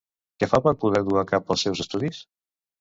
Què fa per poder dur a cap els seus estudis?